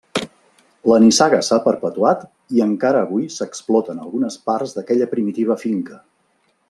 La nissaga s'ha perpetuat i encara avui s'exploten algunes parts d'aquella primitiva finca.